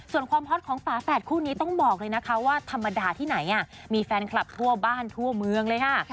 ส่วนความฮอตของฝาแฝดคู่นี้ต้องบอกเลยนะคะว่าธรรมดาที่ไหนมีแฟนคลับทั่วบ้านทั่วเมืองเลยค่ะ